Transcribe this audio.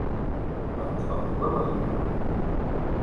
Ad ṭṭfeɣ deg wawal-iw.